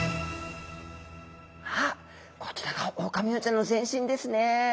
あっこちらがオオカミウオちゃんの全身ですね。